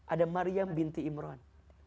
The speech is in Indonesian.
ada maryam binti imran